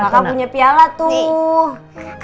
kakak punya piala tuh